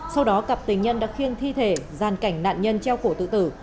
sau đó cặp tình nhân đã khiêng thi thể gian cảnh nạn nhân treo cổ tự tử